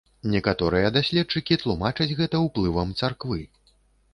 Некаторыя даследчыкі тлумачаць гэта ўплывам царквы.